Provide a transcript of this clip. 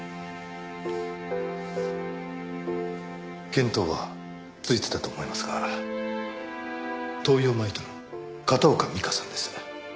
見当はついてたと思いますが灯油を撒いたの片岡美加さんです。